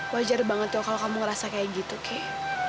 wajar banget tuh kalau kamu ngerasa kayak gitu kayak